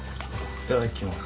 いただきます。